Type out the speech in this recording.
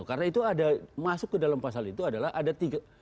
karena itu ada masuk ke dalam pasal itu adalah ada tiga